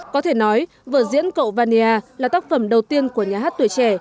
có thể nói vở diễn cậu vania là tác phẩm đầu tiên của nhà hát tuổi trẻ